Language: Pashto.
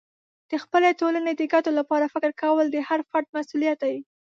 د خپلې ټولنې د ګټو لپاره فکر کول د هر فرد مسئولیت دی.